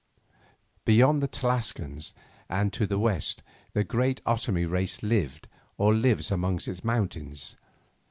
Beyond the Tlascalans and to the west, the great Otomie race lived or lives among its mountains.